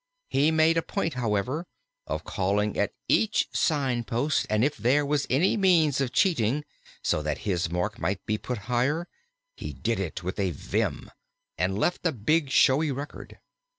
He made a point, however, of calling at each sign post, and if there was any means of cheating, so that his mark might be put higher, he did it with a vim, and left a big, showy record.